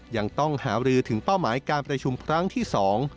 ยังต้องหารือถึงเป้าหมายการประชุมครั้งที่สอง